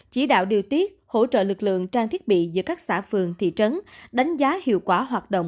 chỉ đạo điều tiết hỗ trợ lực lượng trang thiết bị giữa các xã phường thị trấn đánh giá hiệu quả hoạt động